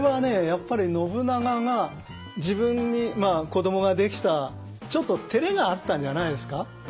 やっぱり信長が自分に子どもができたちょっとてれがあったんじゃないですか？